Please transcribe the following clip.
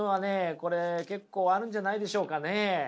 これ結構あるんじゃないでしょうかね。